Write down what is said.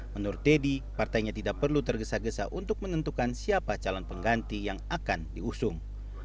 menurut teddy partainya tidak perlu tergesa gesa untuk menentukan siapa calon pengganti yang akan diusung